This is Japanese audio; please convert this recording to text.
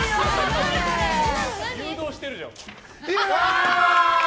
誘導してるじゃん。